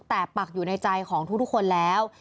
แต่ปักอยู่ในใจของทุกคนแล้ว